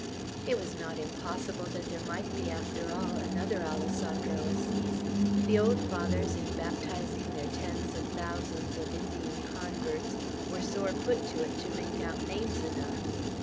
It was not impossible that there might be, after all, another Alessandro Assis, The old Fathers, in baptizing their tens of thousands of Indian converts, were sore put to it to make out names enough.